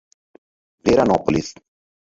Veranópolis